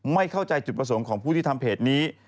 ไม่เข้าใจจุดประสงค์ของผู้ที่ทำเพจนี้